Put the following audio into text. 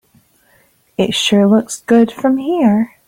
It sure looks good from here.